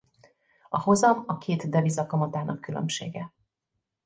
A hozam a két deviza kamatának különbsége.